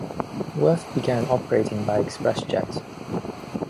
Worth began operating by ExpressJet.